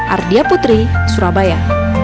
ardia putri surabaya